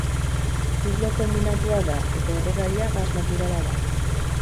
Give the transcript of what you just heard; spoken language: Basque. Ziklo konbinatua da eta erregaia gas naturala da.